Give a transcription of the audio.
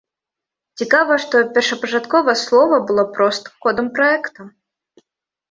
Цікава, што першапачаткова слова было проста кодам праекта.